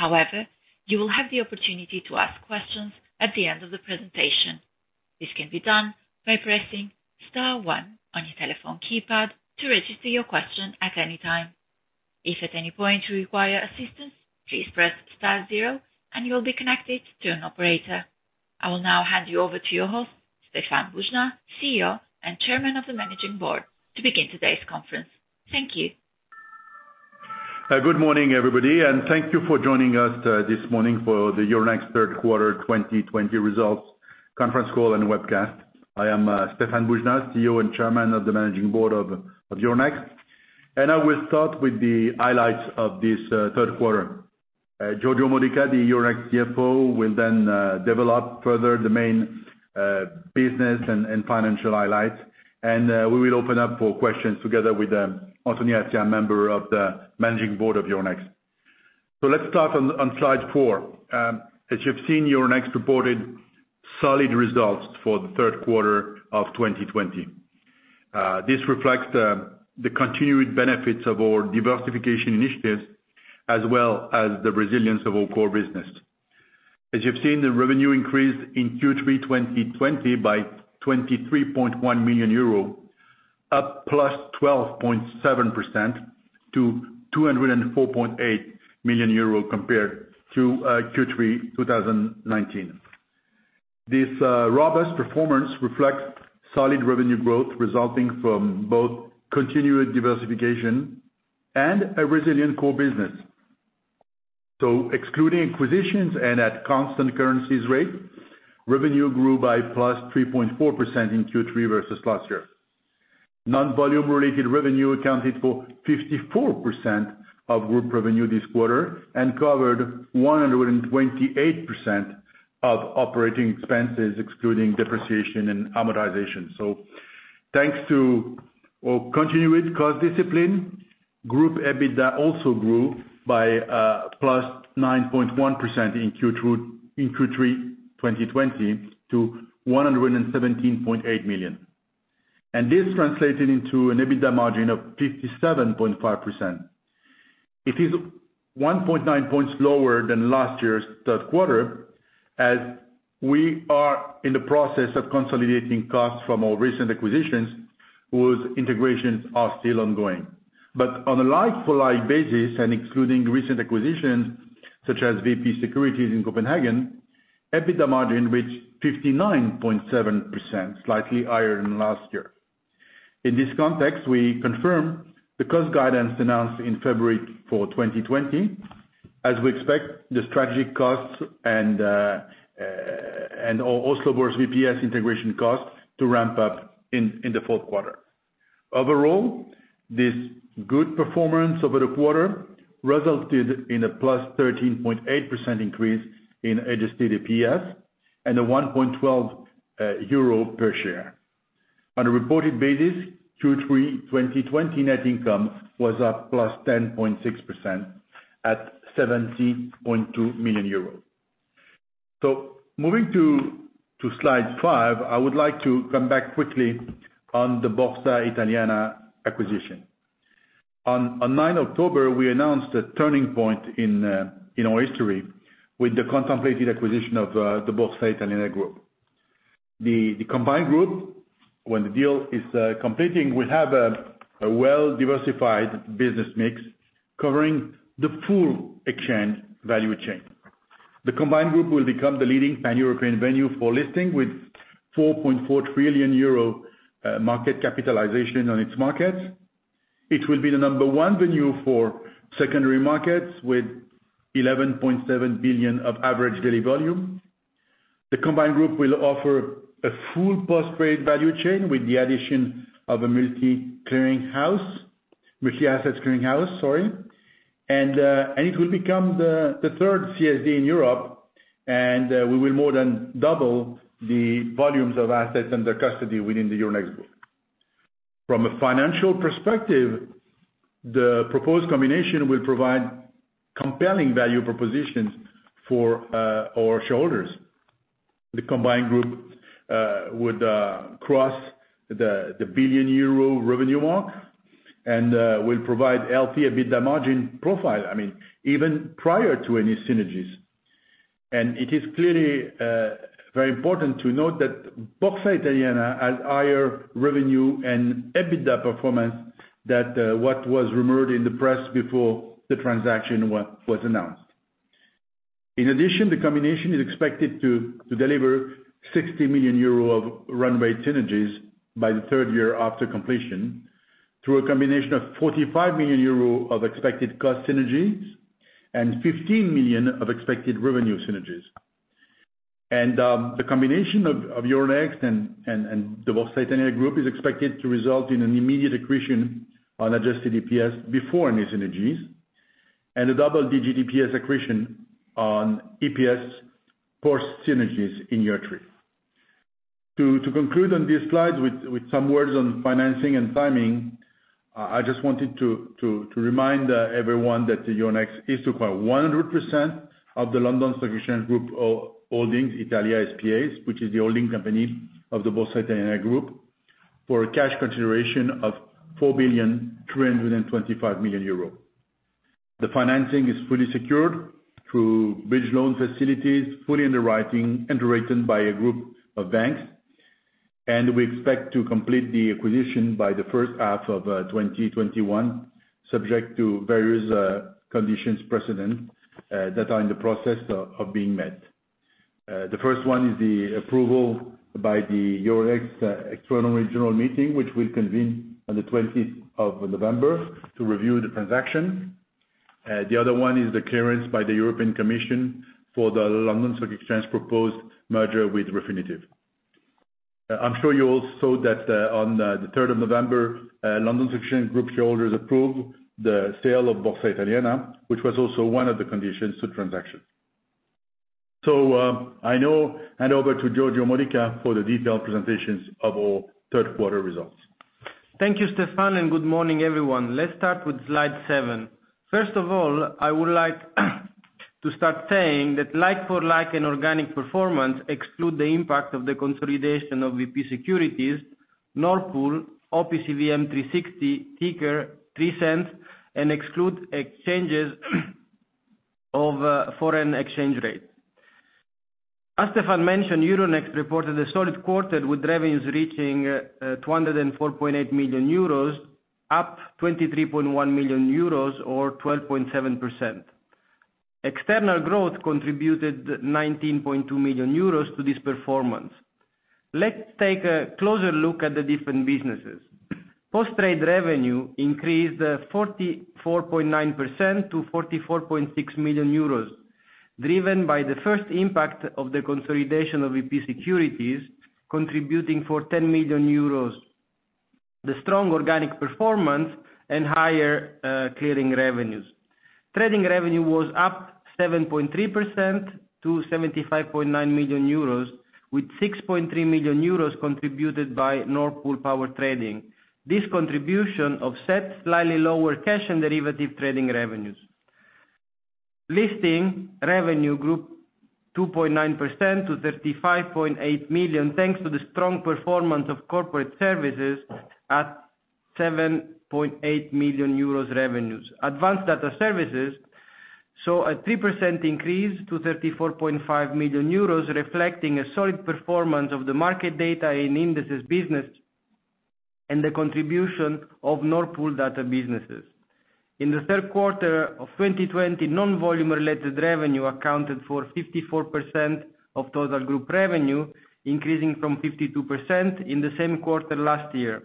However, you will have the opportunity to ask questions at the end of the presentation. This can be done by pressing star one on your telephone keypad to register your question at any time. If at any point you require assistance, please press star zero and you'll be connected to an operator. I will now hand you over to your host, Stéphane Boujnah, CEO and Chairman of the Managing Board, to begin today's conference. Thank you. Good morning, everybody, and thank you for joining us this morning for the Euronext third quarter 2020 results conference call and webcast. I am Stéphane Boujnah, CEO and chairman of the managing board of Euronext, and I will start with the highlights of this third quarter. Giorgio Modica, the Euronext CFO, will then develop further the main business and financial highlights, and we will open up for questions together with Anthony Attia, a member of the managing board of Euronext. Let's start on slide four. As you've seen, Euronext reported solid results for the third quarter of 2020. This reflects the continued benefits of our diversification initiatives, as well as the resilience of our core business. As you've seen, the revenue increased in Q3 2020 by 23.1 million euro, up +12.7% to 204.8 million euro compared to Q3 2019. This robust performance reflects solid revenue growth resulting from both continued diversification and a resilient core business. Excluding acquisitions and at constant currencies rate, revenue grew by +3.4% in Q3 versus last year. Non-volume related revenue accounted for 54% of group revenue this quarter and covered 128% of operating expenses excluding depreciation and amortization. Thanks to our continued cost discipline, group EBITDA also grew by +9.1% in Q3 2020 to 117.8 million. This translated into an EBITDA margin of 57.5%. It is 1.9 points lower than last year's third quarter as we are in the process of consolidating costs from our recent acquisitions whose integrations are still ongoing. On a like-for-like basis and excluding recent acquisitions such as VP Securities in Copenhagen, EBITDA margin reached 59.7%, slightly higher than last year. In this context, we confirm the cost guidance announced in February for 2020 as we expect the strategic costs and Oslo Børs VPS integration costs to ramp up in the fourth quarter. This good performance over the quarter resulted in a +13.8% increase in adjusted EPS and a 1.12 euro per share. On a reported basis, Q3 2020 net income was up +10.6% at 70.2 million euros. Moving to slide five, I would like to come back quickly on the Borsa Italiana acquisition. On 9 October, we announced a turning point in our history with the contemplated acquisition of the Borsa Italiana Group. The combined group, when the deal is completing, will have a well-diversified business mix covering the full exchange value chain. The combined group will become the leading pan-European venue for listing with 4.4 trillion euro market capitalization on its markets. It will be the number one venue for secondary markets with 11.7 billion of average daily volume. The combined group will offer a full post-trade value chain with the addition of a multi-asset clearinghouse. It will become the third CSD in Europe, and we will more than double the volumes of assets under custody within the Euronext group. From a financial perspective, the proposed combination will provide compelling value propositions for our shareholders. The combined group would cross the billion-EUR revenue mark and will provide healthy EBITDA margin profile even prior to any synergies. It is clearly very important to note that Borsa Italiana has higher revenue and EBITDA performance than what was rumored in the press before the transaction was announced. In addition, the combination is expected to deliver 60 million euro of run-rate synergies by the third year after completion through a combination of 45 million euro of expected cost synergies and 15 million of expected revenue synergies. The combination of Euronext and the Borsa Italiana group is expected to result in an immediate accretion on adjusted EPS before any synergies and a double-digit EPS accretion on EPS post synergies in year three. To conclude on this slide with some words on financing and timing, I just wanted to remind everyone that Euronext is to acquire 100% of the London Stock Exchange Group Holdings Italia S.p.A., which is the holding company of the Borsa Italiana group. For a cash consideration of 4,325,000,000 euro. The financing is fully secured through bridge loan facilities, fully underwritten by a group of banks. We expect to complete the acquisition by the first half of 2021, subject to various conditions precedent that are in the process of being met. The first one is the approval by the Euronext extraordinary general meeting, which will convene on the 20th of November to review the transaction. The other one is the clearance by the European Commission for the London Stock Exchange Group proposed merger with Refinitiv. I'm sure you all saw that on the 3rd of November, London Stock Exchange Group shareholders approved the sale of Borsa Italiana, which was also one of the conditions to the transaction. I now hand over to Giorgio Modica for the detailed presentations of our third quarter results. Thank you, Stéphane, and good morning, everyone. Let's start with slide seven. First of all, I would like to start saying that like-for-like and organic performance exclude the impact of the consolidation of VP Securities, Nord Pool, OPCVM360, Ticker, iBabs, and excludes exchanges of foreign exchange rate. As Stéphane mentioned, Euronext reported a solid quarter with revenues reaching 204.8 million euros, up 23.1 million euros or 12.7%. External growth contributed 19.2 million euros to this performance. Let's take a closer look at the different businesses. Post Trade revenue increased 44.9% to 44.6 million euros, driven by the first impact of the consolidation of VP Securities, contributing for 10 million euros, the strong organic performance, and higher clearing revenues. Trading revenue was up 7.3% to 75.9 million euros with 6.3 million euros contributed by Nord Pool Power trading. This contribution offset slightly lower cash and derivative trading revenues. Listing revenue grew 2.9% to 35.8 million, thanks to the strong performance of corporate services at 7.8 million euros revenues. Advanced data services saw a 3% increase to 34.5 million euros, reflecting a solid performance of the market data in indices business, and the contribution of Nord Pool data businesses. In the third quarter of 2020, non-volume-related revenue accounted for 54% of total group revenue, increasing from 52% in the same quarter last year.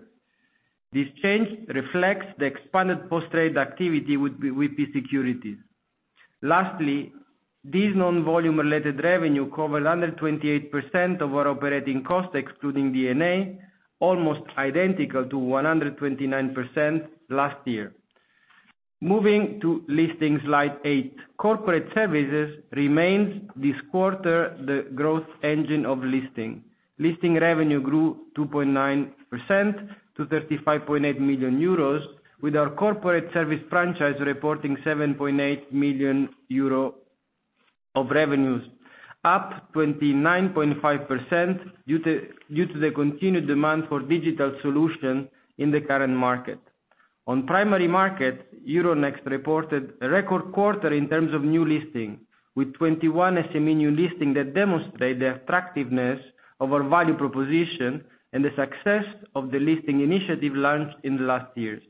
This change reflects the expanded Post Trade activity with VP Securities. Lastly, this non-volume-related revenue covered 128% of our operating costs, excluding D&A, almost identical to 129% last year. Moving to listings, slide eight. Corporate services remains this quarter the growth engine of listing. Listing revenue grew 2.9% to 35.8 million euros, with our corporate service franchise reporting 7.8 million euro of revenues, up 29.5% due to the continued demand for digital solutions in the current market. On primary market, Euronext reported a record quarter in terms of new listing, with 21 SME new listings that demonstrate the attractiveness of our value proposition and the success of the listing initiative launched in the last years.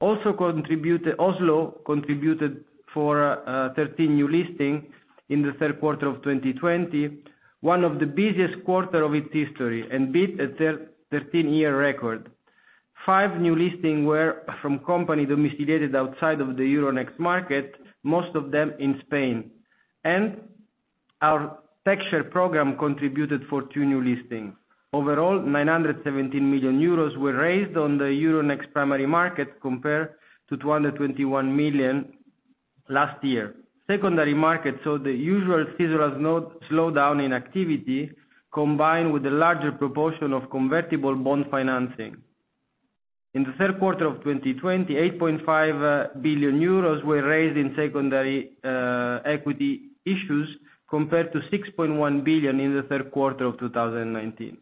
Oslo contributed for 13 new listings in the third quarter of 2020, one of the busiest quarter of its history. Beat a 13-year record. Five new listings were from companies domesticated outside of the Euronext market, most of them in Spain. Our TechShare program contributed for two new listings. Overall, 917 million euros were raised on the Euronext primary market compared to 221 million last year. Secondary market, the usual seasonal slowdown in activity, combined with a larger proportion of convertible bond financing. In the third quarter of 2020, 8.5 billion euros were raised in secondary equity issues compared to 6.1 billion in the third quarter of 2019.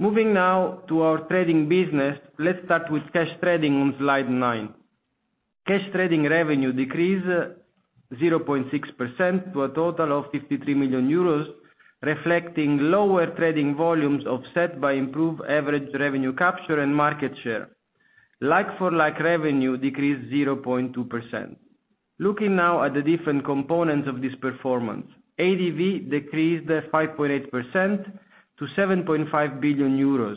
Moving now to our trading business, let's start with cash trading on slide nine. Cash trading revenue decreased 0.6% to a total of 53 million euros, reflecting lower trading volumes offset by improved average revenue capture and market share. Like-for-like revenue decreased 0.2%. Looking now at the different components of this performance. ADV decreased 5.8% to 7.5 billion euros.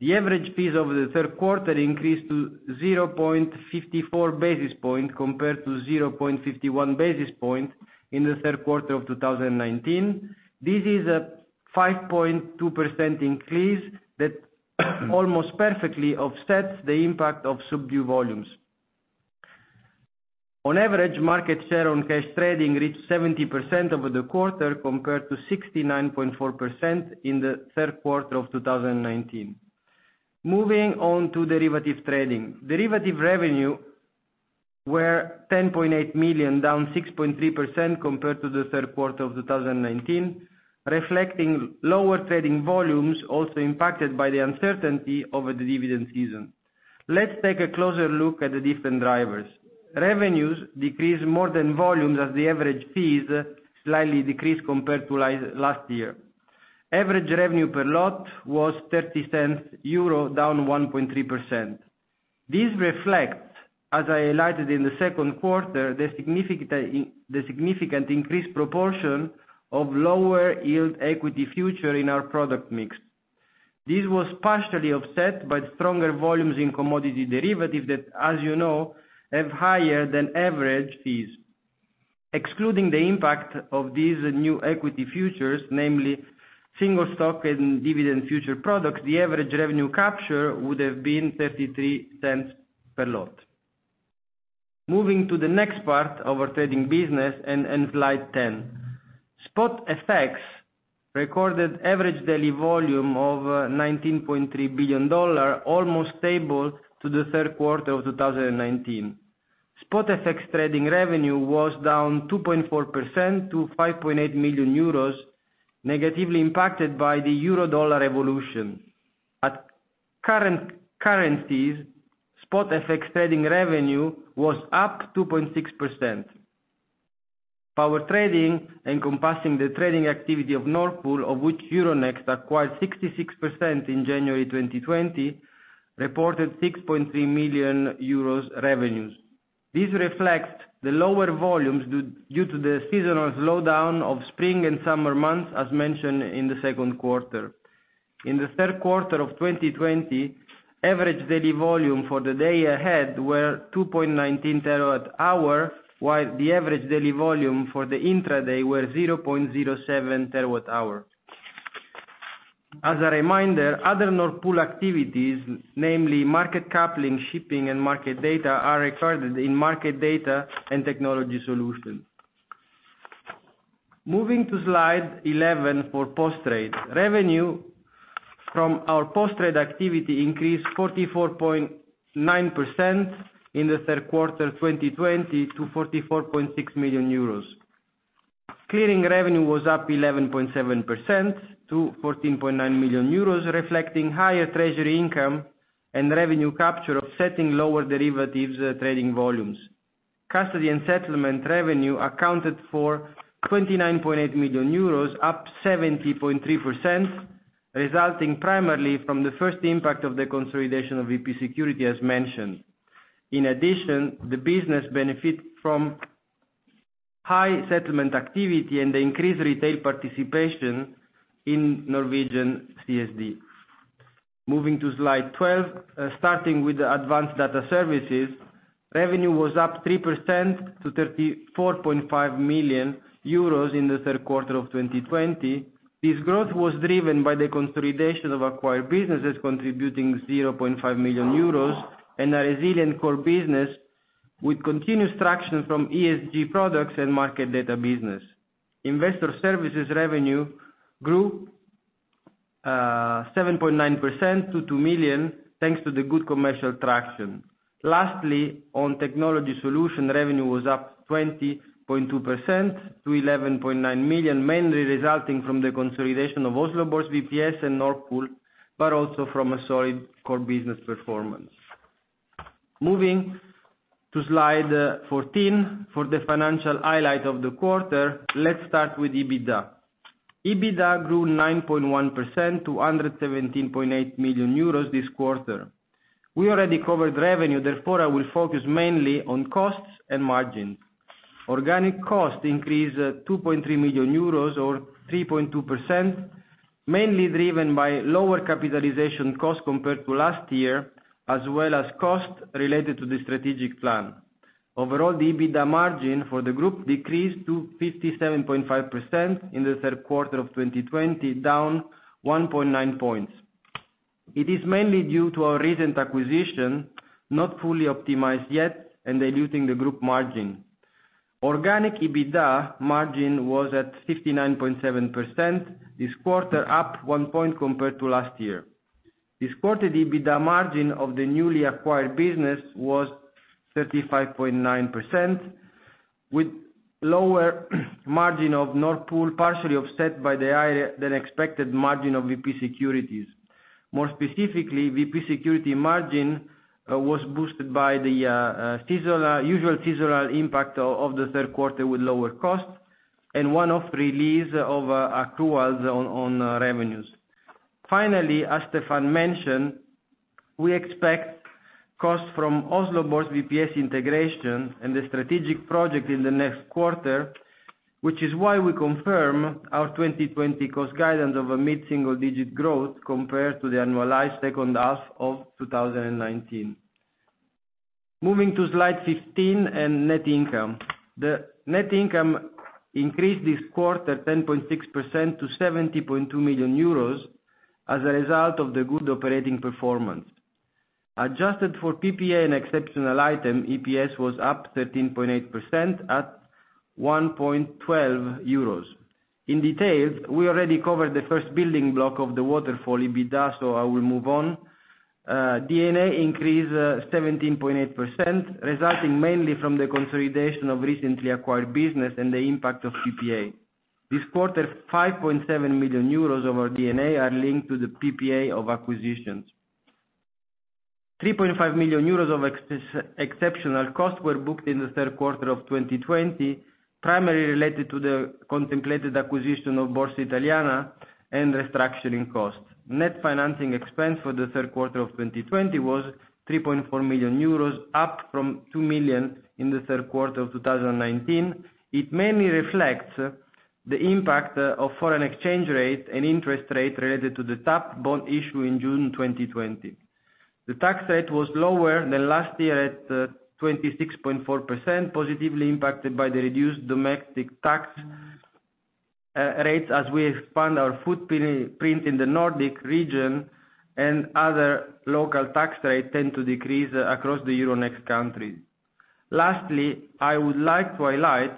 The average fees over the third quarter increased to 0.54 basis point compared to 0.51 basis point in the third quarter of 2019. This is a 5.2% increase that almost perfectly offsets the impact of subdued volumes. On average, market share on cash trading reached 70% over the quarter compared to 69.4% in the third quarter of 2019. Moving on to derivative trading. Derivative revenue were 10.8 million, down 6.3% compared to the third quarter of 2019, reflecting lower trading volumes, also impacted by the uncertainty over the dividend season. Let's take a closer look at the different drivers. Revenues decreased more than volumes as the average fees slightly decreased compared to last year. Average revenue per lot was 0.30, down 1.3%. This reflects, as I highlighted in the second quarter, the significant increased proportion of lower yield equity future in our product mix. This was partially offset by stronger volumes in commodity derivatives that, as you know, have higher than average fees. Excluding the impact of these new equity futures, namely single stock and dividend future products, the average revenue capture would have been 0.33 per lot. Moving to the next part of our trading business, slide 10. Spot FX recorded average daily volume of $19.3 billion, almost stable to the third quarter of 2019. Spot FX trading revenue was down 2.4% to 5.8 million euros, negatively impacted by the euro dollar evolution. At current currencies, Spot FX trading revenue was up 2.6%. Power trading, encompassing the trading activity of Nord Pool, of which Euronext acquired 66% in January 2020, reported 6.3 million euros revenues. This reflects the lower volumes due to the seasonal slowdown of spring and summer months, as mentioned in the second quarter. In the third quarter of 2020, average daily volume for the day ahead were 2.19 terawatt hour, while the average daily volume for the intraday were 0.07 terawatt hour. As a reminder, other Nord Pool activities, namely market coupling, shipping, and market data, are recorded in market data and technology solutions. Moving to slide 11 for post-trade. Revenue from our post-trade activity increased 44.9% in the third quarter 2020 to 44.6 million euros. Clearing revenue was up 11.7% to 14.9 million euros, reflecting higher treasury income and revenue capture offsetting lower derivatives trading volumes. Custody and settlement revenue accounted for 29.8 million euros, up 70.3%, resulting primarily from the first impact of the consolidation of VP Securities, as mentioned. In addition, the business benefit from high settlement activity and the increased retail participation in Norwegian CSD. Moving to slide 12, starting with the advanced data services, revenue was up 3% to 34.5 million euros in the third quarter of 2020. This growth was driven by the consolidation of acquired businesses contributing 0.5 million euros and a resilient core business with continuous traction from ESG products and market data business. Investor services revenue grew 7.9% to 2 million, thanks to the good commercial traction. Lastly, on technology solution, revenue was up 20.2% to 11.9 million, mainly resulting from the consolidation of Oslo Børs VPS and Nord Pool, also from a solid core business performance. Moving to slide 14, for the financial highlight of the quarter, let's start with EBITDA. EBITDA grew 9.1% to 117.8 million euros this quarter. We already covered revenue, therefore, I will focus mainly on costs and margin. Organic cost increased 2.3 million euros or 3.2%, mainly driven by lower capitalization costs compared to last year, as well as costs related to the strategic plan. Overall, the EBITDA margin for the group decreased to 57.5% in Q3 2020, down 1.9 points. It is mainly due to our recent acquisition, not fully optimized yet and diluting the group margin. Organic EBITDA margin was at 59.7% this quarter, up one point compared to last year. This quarter, the EBITDA margin of the newly acquired business was 35.9%, with lower margin of Nord Pool partially offset by the higher-than-expected margin of VP Securities. More specifically, VP Securities margin was boosted by the usual seasonal impact of the third quarter with lower costs and one-off release of accruals on revenues. As Stéphane mentioned, we expect costs from Oslo Børs VPS integration and the strategic project in the next quarter, which is why we confirm our 2020 cost guidance of a mid-single digit growth compared to the annualized second half of 2019. Moving to slide 15 and net income. The net income increased this quarter 10.6% to 70.2 million euros as a result of the good operating performance. Adjusted for PPA and exceptional item, EPS was up 13.8% at 1.12 euros. In detail, we already covered the first building block of the waterfall, EBITDA, so I will move on. D&A increased 17.8%, resulting mainly from the consolidation of recently acquired business and the impact of PPA. This quarter, 5.7 million euros of our D&A are linked to the PPA of acquisitions. 3.5 million euros of exceptional costs were booked in the Q3 2020, primarily related to the contemplated acquisition of Borsa Italiana and restructuring costs. Net financing expense for the Q3 2020 was 3.4 million euros, up from 2 million in the Q3 2019. It mainly reflects the impact of foreign exchange rate and interest rate related to the tap bond issue in June 2020. The tax rate was lower than last year at 26.4%, positively impacted by the reduced domestic tax rates as we expand our footprint in the Nordic region and other local tax rates tend to decrease across the Euronext countries. Lastly, I would like to highlight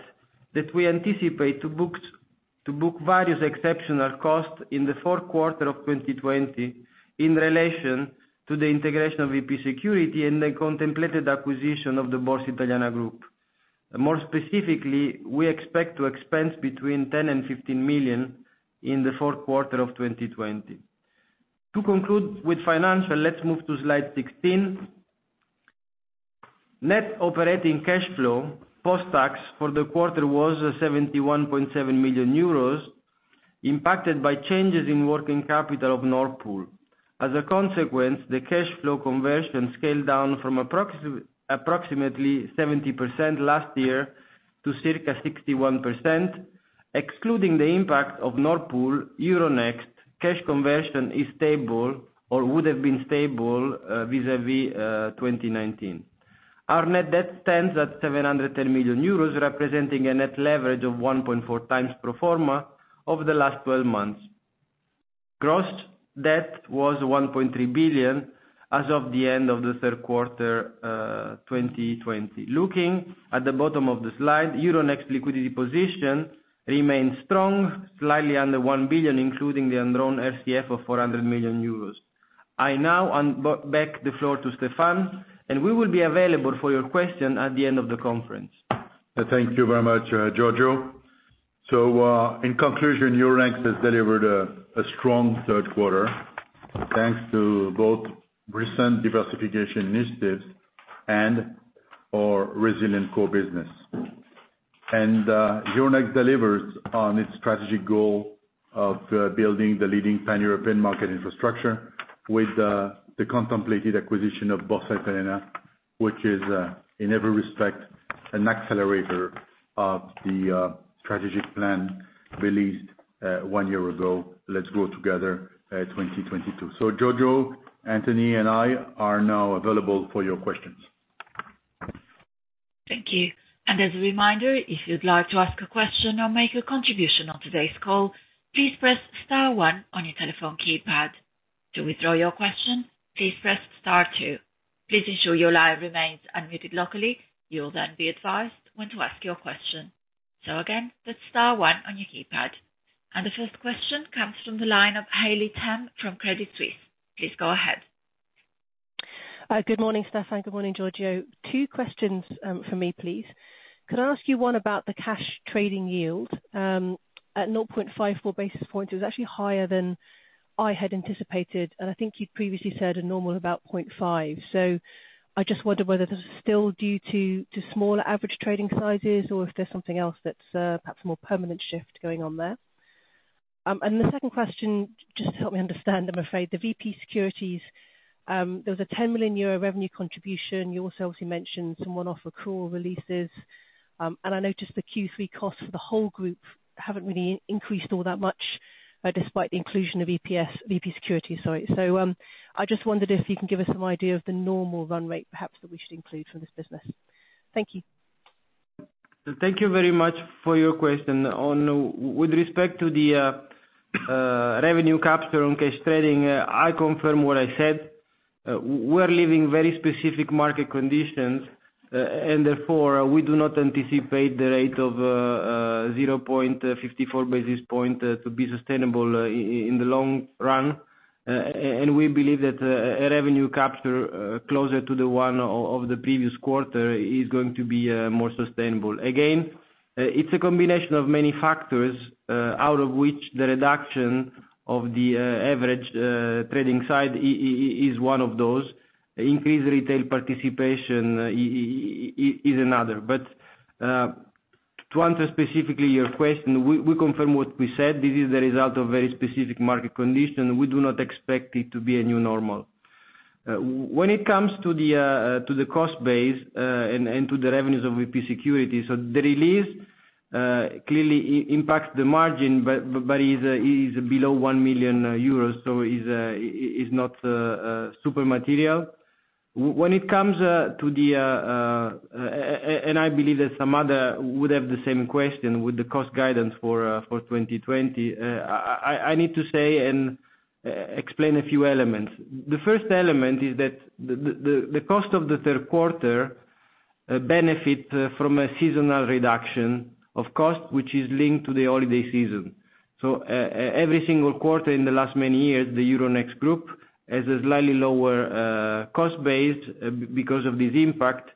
that we anticipate to book various exceptional costs in the fourth quarter of 2020 in relation to the integration of VP Securities and the contemplated acquisition of the Borsa Italiana Group. More specifically, we expect to expense between 10 million and 15 million in the fourth quarter of 2020. To conclude with financial, let's move to slide 16. Net operating cash flow post-tax for the quarter was 71.7 million euros, impacted by changes in working capital of Nord Pool. As a consequence, the cash flow conversion scaled down from approximately 70% last year to circa 61%, excluding the impact of Nord Pool, Euronext cash conversion is stable or would have been stable vis-a-vis 2019. Our net debt stands at 710 million euros, representing a net leverage of 1.4x pro forma over the last 12 months. Gross debt was 1.3 billion as of the end of the third quarter 2020. Looking at the bottom of the slide, Euronext liquidity position remains strong, slightly under one billion, including the undrawn RCF of 400 million euros. I now hand back the floor to Stéphane, and we will be available for your question at the end of the conference. Thank you very much, Giorgio. In conclusion, Euronext has delivered a strong third quarter thanks to both recent diversification initiatives and our resilient core business. Euronext delivers on its strategy goal of building the leading pan-European market infrastructure with the contemplated acquisition of Borsa Italiana, which is, in every respect, an accelerator of the strategic plan released one year ago, Let's Grow Together 2022. Giorgio, Anthony, and I are now available for your questions. Thank you. As a reminder, if you'd like to ask a question or make a contribution on today's call, please press star one on your telephone keypad. To withdraw your question, please press star two. Please ensure your line remains unmuted locally. You'll then be advised when to ask your question. Again, that's star one on your keypad. The first question comes from the line of Haley Tam from Credit Suisse. Please go ahead. Good morning, Stéphane. Good morning, Giorgio. Two questions from me, please. Could I ask you one about the cash trading yield, at 0.54 basis points is actually higher than I had anticipated, and I think you'd previously said a normal about 0.5. I just wondered whether this is still due to smaller average trading sizes or if there's something else that's perhaps a more permanent shift going on there. The second question, just to help me understand, I'm afraid, the VP Securities, there was a 10 million euro revenue contribution. You also obviously mentioned some one-off accrual releases. I noticed the Q3 costs for the whole group haven't really increased all that much despite the inclusion of VP Securities. I just wondered if you can give us some idea of the normal run rate, perhaps, that we should include for this business. Thank you. Thank you very much for your question. With respect to the revenue capture on cash trading, I confirm what I said. We're living very specific market conditions. Therefore, we do not anticipate the rate of 0.54 basis point to be sustainable in the long run. We believe that a revenue capture closer to the one of the previous quarter is going to be more sustainable. Again, it's a combination of many factors, out of which the reduction of the average trading size is one of those. Increased retail participation is another. To answer specifically your question, we confirm what we said. This is the result of very specific market condition. We do not expect it to be a new normal. When it comes to the cost base and to the revenues of VP Securities, the release clearly impacts the margin but is below 1 million euros, it's not super material. I believe that some other would have the same question with the cost guidance for 2020. I need to say and explain a few elements. The first element is that the cost of the third quarter benefit from a seasonal reduction of cost, which is linked to the holiday season. Every single quarter in the last many years, Euronext has a slightly lower cost base because of this impact,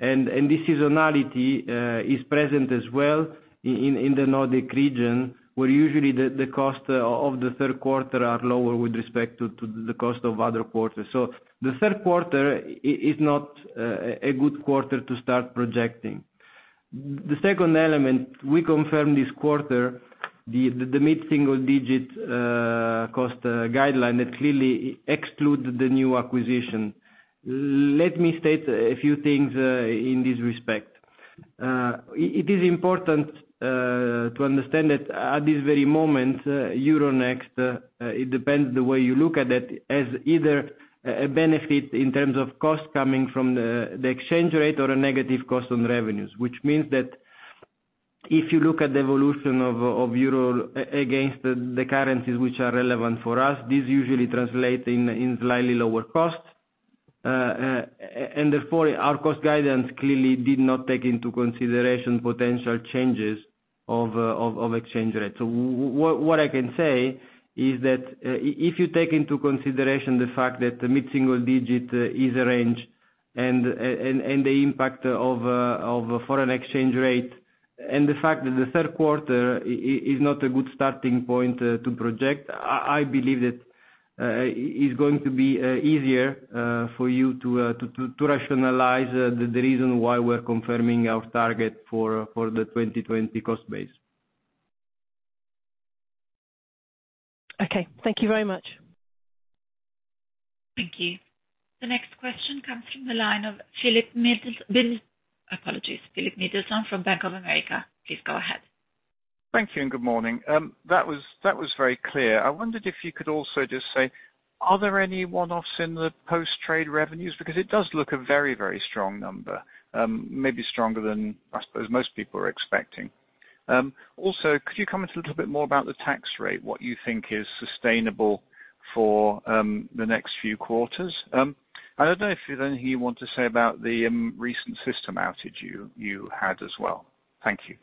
and this seasonality is present as well in the Nordic region, where usually the cost of the third quarter are lower with respect to the cost of other quarters. The third quarter is not a good quarter to start projecting. The second element, we confirm this quarter, the mid-single digit cost guideline that clearly excludes the new acquisition. Let me state a few things in this respect. It is important to understand that at this very moment, Euronext, it depends the way you look at it, as either a benefit in terms of cost coming from the exchange rate or a negative cost on revenues, which means that if you look at the evolution of euro against the currencies which are relevant for us, this usually translates in slightly lower costs. Therefore, our cost guidance clearly did not take into consideration potential changes of exchange rates. What I can say is that if you take into consideration the fact that the mid-single digit is a range and the impact of foreign exchange rate and the fact that the third quarter is not a good starting point to project, I believe that it's going to be easier for you to rationalize the reason why we're confirming our target for the 2020 cost base. Okay. Thank you very much. Thank you. The next question comes from the line of Philip Middleton from Bank of America. Please go ahead. Thank you and good morning. That was very clear. I wondered if you could also just say, are there any one-offs in the post-trade revenues? It does look a very strong number, maybe stronger than I suppose most people are expecting. Could you comment a little bit more about the tax rate, what you think is sustainable for the next few quarters? I don't know if there's anything you want to say about the recent system outage you had as well. Thank you.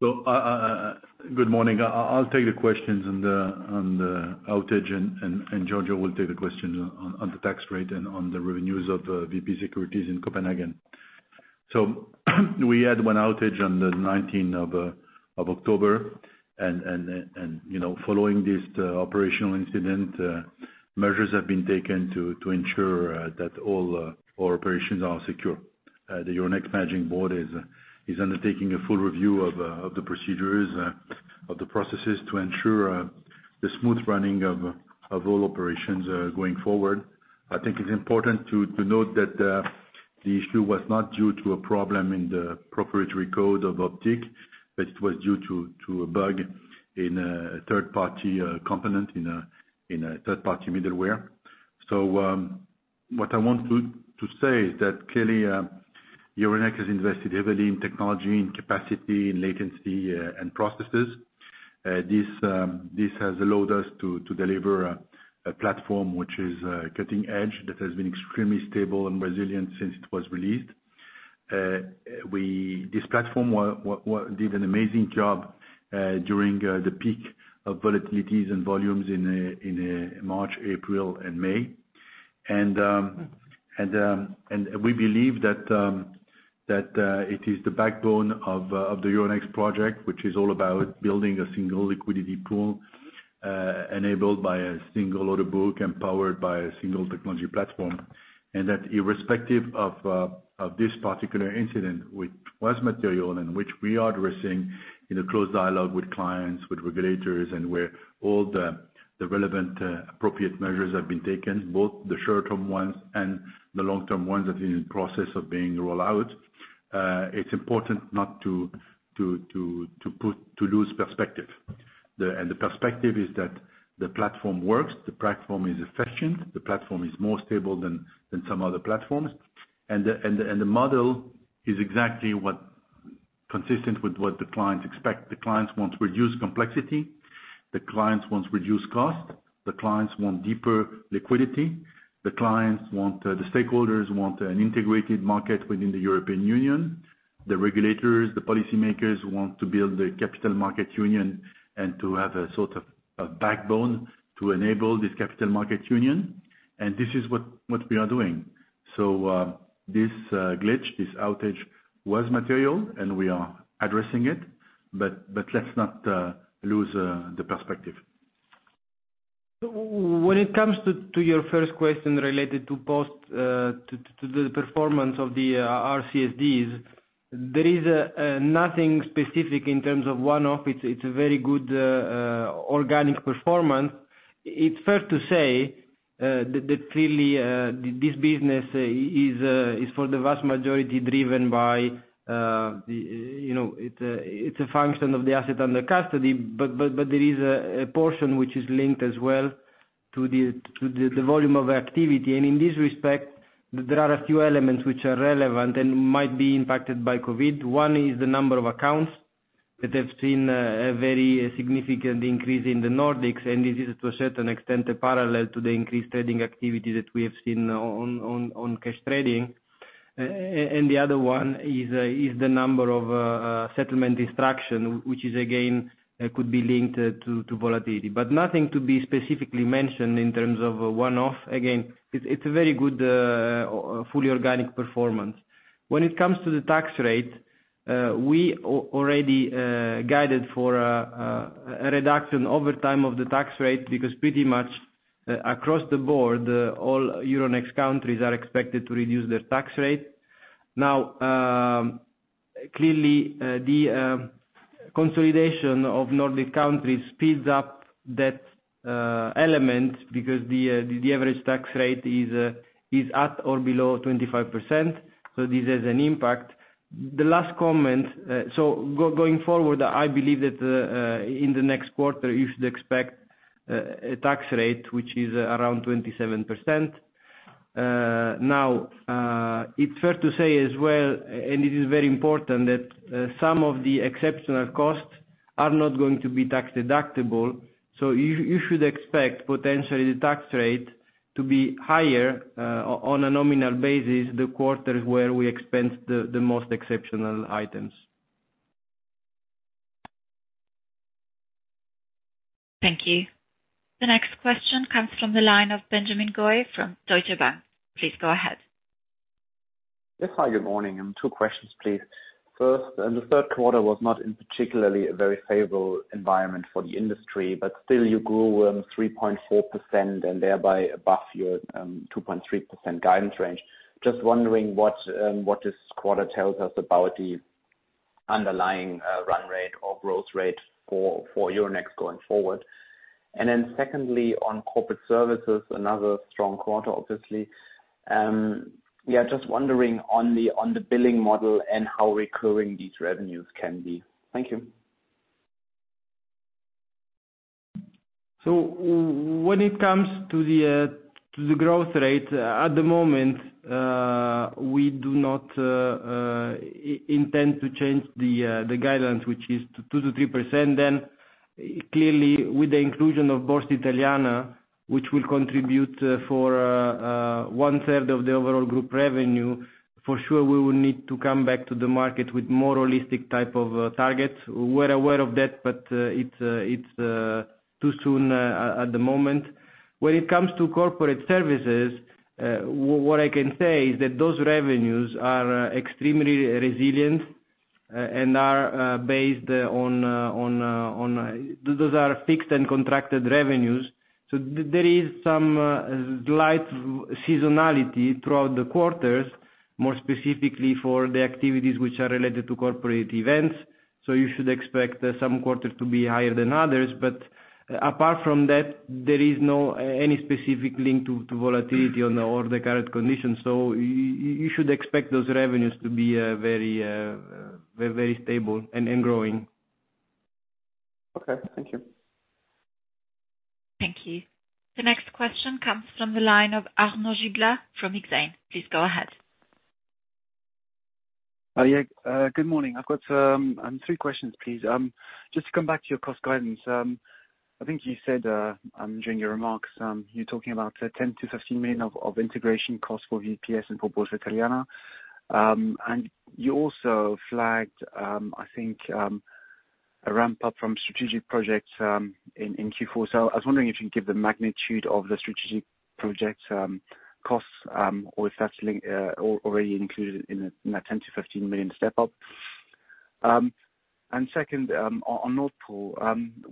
Good morning. I'll take the questions on the outage, and Giorgio will take the question on the tax rate and on the revenues of Euronext Securities Copenhagen. We had one outage on the 19th of October, and following this operational incident, measures have been taken to ensure that all our operations are secure. The Euronext Management Board is undertaking a full review of the procedures, of the processes to ensure the smooth running of all operations going forward. I think it's important to note that the issue was not due to a problem in the proprietary code of Optiq, but it was due to a bug in a third-party component, in a third-party middleware. What I want to say is that clearly, Euronext has invested heavily in technology, in capacity, in latency, and processes. This has allowed us to deliver a platform which is cutting-edge, that has been extremely stable and resilient since it was released. This platform did an amazing job during the peak of volatilities and volumes in March, April, and May. We believe that it is the backbone of the Euronext project, which is all about building a single liquidity pool enabled by a single order book, empowered by a single technology platform. That irrespective of this particular incident, which was material and which we are addressing in a close dialogue with clients, with regulators, and where all the relevant appropriate measures have been taken, both the short-term ones and the long-term ones that are in the process of being rolled out. It's important not to lose perspective. The perspective is that the platform works, the platform is efficient, the platform is more stable than some other platforms. The model is exactly consistent with what the clients expect. The clients want reduced complexity. The clients want reduced cost. The clients want deeper liquidity. The stakeholders want an integrated market within the European Union. The regulators, the policymakers want to build the Capital Markets Union and to have a sort of a backbone to enable this Capital Markets Union. This is what we are doing. This glitch, this outage was material, and we are addressing it, but let's not lose the perspective. When it comes to your first question related to the performance of the CSDs, there is nothing specific in terms of one-off. It's a very good organic performance. It's fair to say that clearly this business is for the vast majority driven by, it's a function of the asset under custody, but there is a portion which is linked as well to the volume of activity. In this respect, there are a few elements which are relevant and might be impacted by COVID. One is the number of accounts that have seen a very significant increase in the Nordics, and this is to a certain extent parallel to the increased trading activity that we have seen on cash trading. The other one is the number of settlement instructions, which again, could be linked to volatility. Nothing to be specifically mentioned in terms of one-off. Again, it's a very good fully organic performance. When it comes to the tax rate, we already guided for a reduction over time of the tax rate because pretty much across the board, all Euronext countries are expected to reduce their tax rate. Clearly, the consolidation of Nordic countries speeds up that element because the average tax rate is at or below 25%, so this has an impact. The last comment, going forward, I believe that in the next quarter, you should expect a tax rate, which is around 27%. It's fair to say as well, and it is very important, that some of the exceptional costs are not going to be tax-deductible, so you should expect potentially the tax rate to be higher on a nominal basis the quarter where we expense the most exceptional items. Thank you. The next question comes from the line of Benjamin Goy from Deutsche Bank. Please go ahead. Yes, hi, good morning. Two questions, please. The third quarter was not in particularly a very favorable environment for the industry, but still you grew 3.4% and thereby above your 2.3% guidance range. Just wondering what this quarter tells us about the underlying run rate or growth rate for Euronext going forward. Secondly, on corporate services, another strong quarter, obviously. Just wondering on the billing model and how recurring these revenues can be. Thank you. When it comes to the growth rate, at the moment, we do not intend to change the guidance, which is 2%-3%. Clearly, with the inclusion of Borsa Italiana, which will contribute for one-third of the overall group revenue, for sure, we will need to come back to the market with more realistic type of targets. We're aware of that, but it's too soon at the moment. When it comes to corporate services, what I can say is that those revenues are extremely resilient and those are fixed and contracted revenues. There is some slight seasonality throughout the quarters, more specifically for the activities which are related to corporate events. You should expect some quarters to be higher than others. Apart from that, there is no any specific link to volatility on all the current conditions. You should expect those revenues to be very stable and growing. Okay. Thank you. Thank you. The next question comes from the line of Arnaud Giblat from Exane. Please go ahead. Yeah, good morning. I've got three questions, please. Just to come back to your cost guidance. I think you said during your remarks, you're talking about 10 million-15 million of integration costs for VPS and for Borsa Italiana. You also flagged, I think, a ramp-up from strategic projects in Q4. I was wondering if you could give the magnitude of the strategic projects costs, or if that's already included in that 10 million-15 million step-up. Second, on Nord Pool,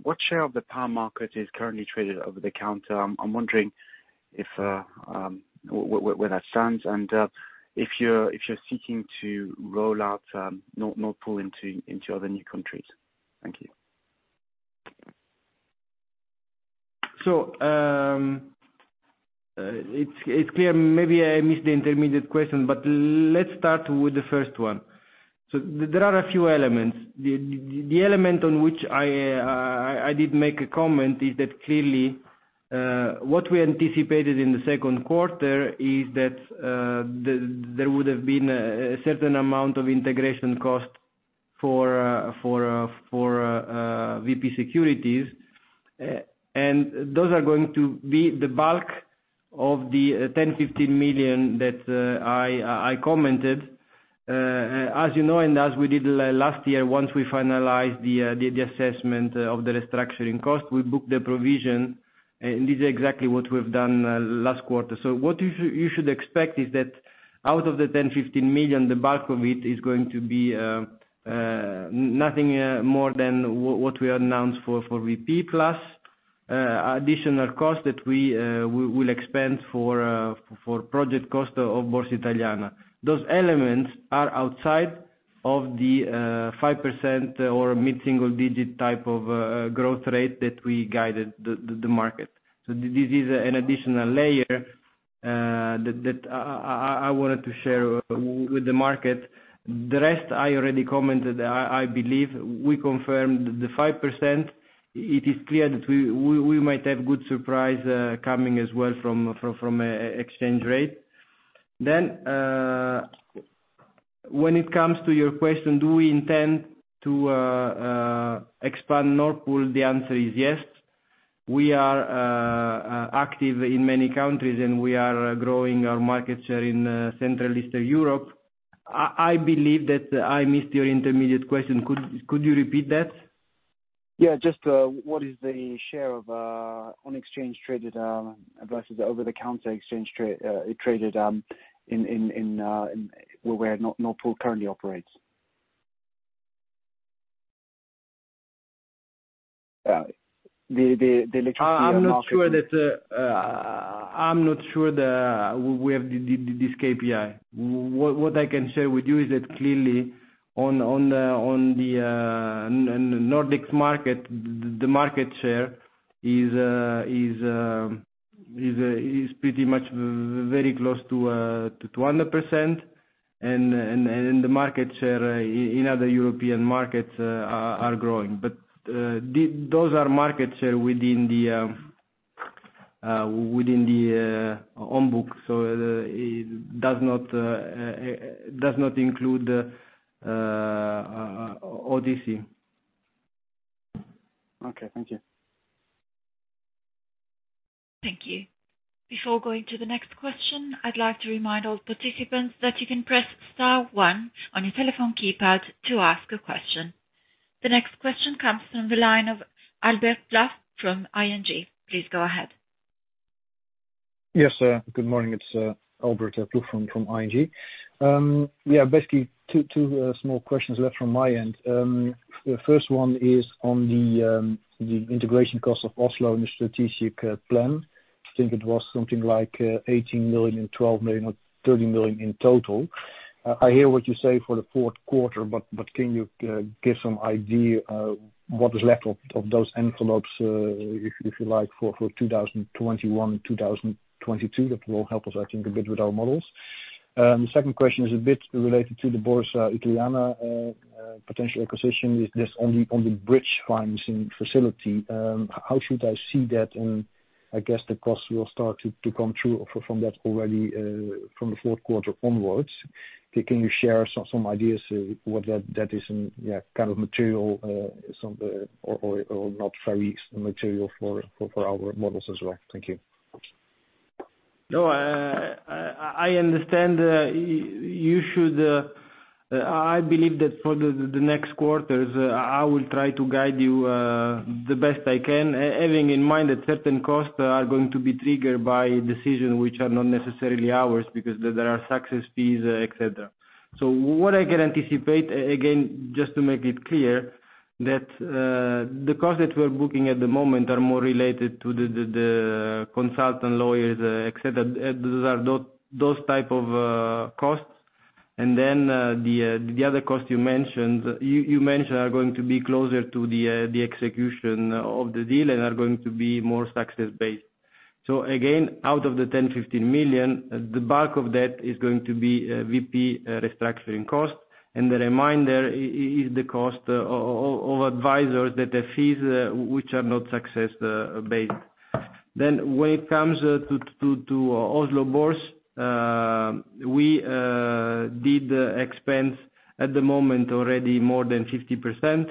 what share of the power market is currently traded over the counter? I'm wondering where that stands and if you're seeking to roll out Nord Pool into other new countries. Thank you. It's clear. Maybe I missed the intermediate question, but let's start with the first one. There are a few elements. The element on which I did make a comment is that clearly, what we anticipated in the second quarter is that there would have been a certain amount of integration cost for VP Securities. And those are going to be the bulk of the 10 million-15 million that I commented. As you know, and as we did last year, once we finalized the assessment of the restructuring cost, we booked the provision, and this is exactly what we've done last quarter. What you should expect is that out of the 10 million-15 million, the bulk of it is going to be nothing more than what we announced for VP, plus additional cost that we will expense for project cost of Borsa Italiana. Those elements are outside of the 5% or mid-single digit type of growth rate that we guided the market. This is an additional layer that I wanted to share with the market. The rest I already commented. I believe we confirmed the 5%. It is clear that we might have good surprise coming as well from exchange rate. When it comes to your question, do we intend to expand Nord Pool? The answer is yes. We are active in many countries, and we are growing our market share in Central Eastern Europe. I believe that I missed your intermediate question. Could you repeat that? Yeah. Just, what is the share of on exchange traded ADVs over the counter exchange traded, where Nord Pool currently operates? The electricity market- I'm not sure we have this KPI. What I can share with you is that clearly on the Nordics market, the market share is pretty much very close to 100%. The market share in other European markets are growing. Those are market share within the on book, so it does not include OTC. Okay. Thank you. Thank you. Before going to the next question, I'd like to remind all participants that you can press star one on your telephone keypad to ask a question. The next question comes from the line of Albert Ploegh from ING. Please go ahead. Yes, sir. Good morning. It's Albert Ploegh from ING. Yeah, basically two small questions left from my end. The first one is on the integration cost of Oslo and the strategic plan. I think it was something like 18 million and 12 million or 30 million in total. I hear what you say for the fourth quarter. Can you give some idea what is left of those envelopes, if you like, for 2021, 2022? That will help us, I think, a bit with our models. The second question is a bit related to the Borsa Italiana potential acquisition. Is this on the bridge financing facility? How should I see that? I guess the cost will start to come through from that already, from the fourth quarter onwards. Can you share some ideas what that is and kind of material, or not very material for our models as well? Thank you. No, I understand. I believe that for the next quarters, I will try to guide you the best I can, having in mind that certain costs are going to be triggered by decisions which are not necessarily ours, because there are success fees, et cetera. What I can anticipate, again, just to make it clear, that the costs that we're booking at the moment are more related to the consultant lawyers, et cetera. Those are those type of costs. The other cost you mentioned are going to be closer to the execution of the deal and are going to be more success based. Again, out of the 10 million-15 million, the bulk of that is going to be VP restructuring costs, and the remainder is the cost of advisors, the fees which are not success based. When it comes to Oslo Børs, we did expense at the moment already more than 50%.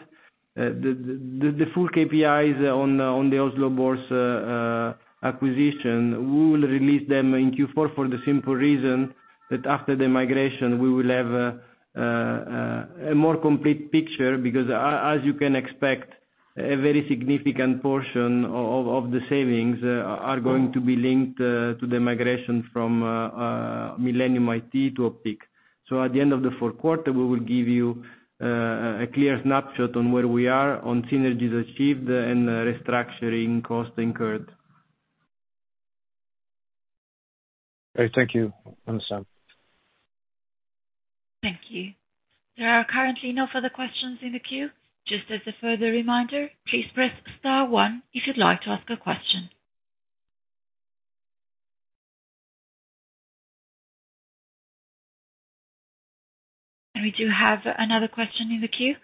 The full KPIs on the Oslo Børs acquisition, we will release them in Q4 for the simple reason that after the migration, we will have a more complete picture because as you can expect, a very significant portion of the savings are going to be linked to the migration from Millennium IT to Optiq. At the end of the fourth quarter, we will give you a clear snapshot on where we are on synergies achieved and restructuring costs incurred. Okay, thank you. Understand. Thank you. There are currently no further questions in the queue. Just as a further reminder, please press star one if you'd like to ask a question. We do have another question in the queue,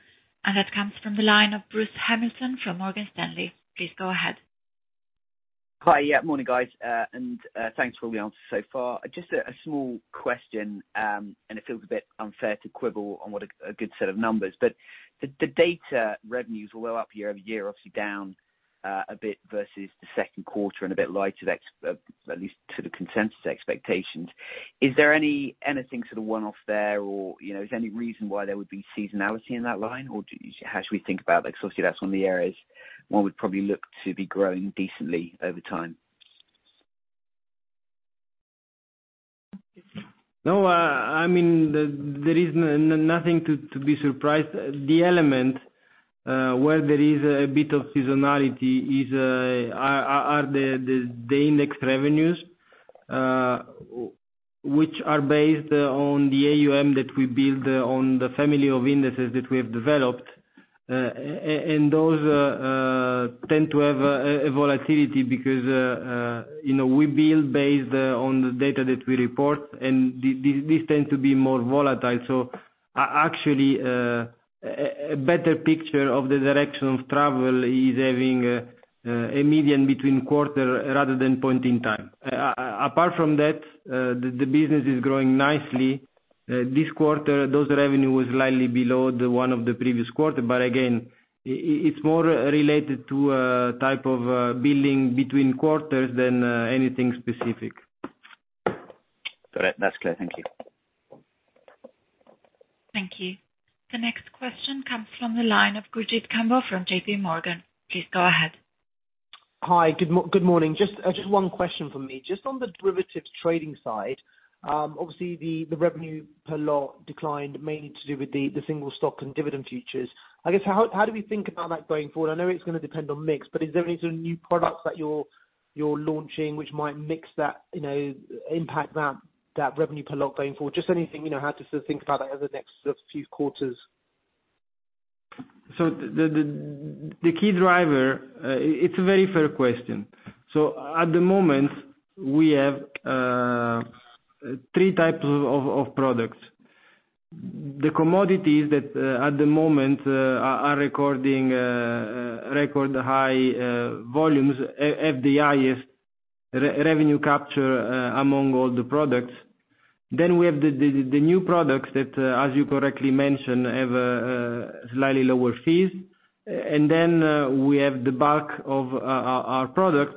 and that comes from the line of Bruce Hamilton from Morgan Stanley. Please go ahead. Hi. Yeah. Morning, guys. Thanks for all the answers so far. Just a small question, and it feels a bit unfair to quibble on what a good set of numbers, but the data revenues were well up year-over-year, obviously down a bit versus the second quarter and a bit lighter, at least to the consensus expectations. Is there anything sort of one-off there, or is there any reason why there would be seasonality in that line? How should we think about that? Obviously that's one of the areas one would probably look to be growing decently over time. No. There is nothing to be surprised. The element, where there is a bit of seasonality are the index revenues, which are based on the AUM that we build on the family of indexes that we have developed. Those tend to have a volatility because we build based on the data that we report, and these tend to be more volatile. Actually, a better picture of the direction of travel is having a median between quarter rather than point in time. Apart from that, the business is growing nicely. This quarter, those revenue was slightly below the one of the previous quarter. Again, it's more related to a type of building between quarters than anything specific. Great. That's clear. Thank you. Thank you. The next question comes from the line of Gurjit Kambo from JPMorgan. Please go ahead. Hi. Good morning. Just one question from me. Just on the derivatives trading side. Obviously, the revenue per lot declined, mainly to do with the single stock and dividend futures. I guess, how do we think about that going forward? I know it's going to depend on mix. Is there any sort of new products that you're launching, which might mix that, impact that revenue per lot going forward? Just anything, how to sort of think about that over the next few quarters? The key driver. It's a very fair question. At the moment, we have thrree types of products. The commodities that, at the moment, are recording record high volumes have the highest revenue capture among all the products. We have the new products that, as you correctly mentioned, have slightly lower fees. We have the bulk of our products,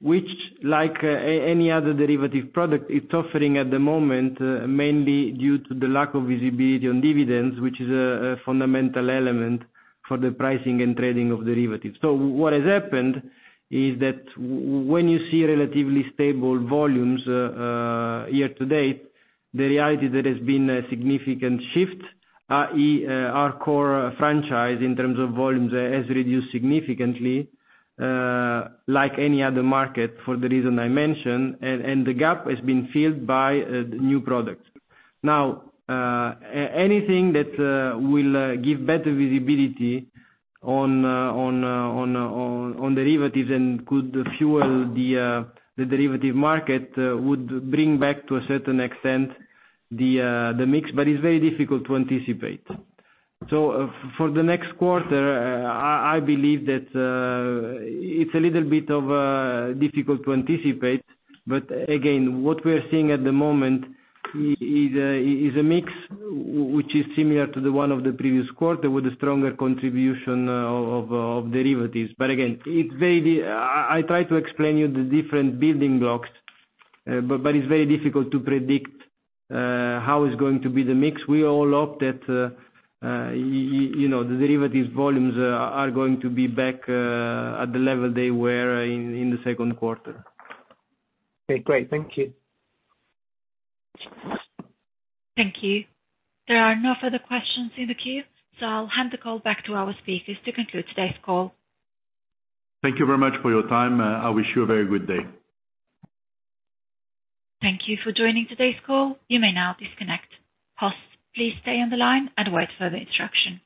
which, like any other derivative product, it's suffering at the moment, mainly due to the lack of visibility on dividends, which is a fundamental element for the pricing and trading of derivatives. What has happened is that when you see relatively stable volumes year to date, the reality is there has been a significant shift. Our core franchise, in terms of volumes, has reduced significantly, like any other market, for the reason I mentioned, and the gap has been filled by new products. Anything that will give better visibility on derivatives and could fuel the derivative market would bring back, to a certain extent, the mix. It's very difficult to anticipate. For the next quarter, I believe that it's a little bit difficult to anticipate. Again, what we're seeing at the moment is a mix which is similar to the one of the previous quarter, with a stronger contribution of derivatives. Again, I try to explain you the different building blocks, but it's very difficult to predict how is going to be the mix. We all hope that the derivatives volumes are going to be back at the level they were in the second quarter. Okay, great. Thank you. Thank you. There are no further questions in the queue, so I'll hand the call back to our speakers to conclude today's call. Thank you very much for your time. I wish you a very good day. Thank you for joining today's call. You may now disconnect. Hosts, please stay on the line and await further instruction.